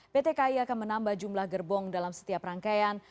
pt kai akan menambah jumlah gerbong dalam setiap rangkaian